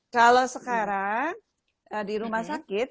kalau sekarang di rumah sakit